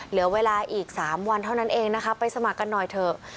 เหลือเวลาอีก๓วันเท่านั้นเองนะคะไปสมัครกันหน่อยเถอะ